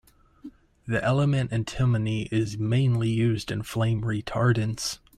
The element antimony is mainly used in flame retardants.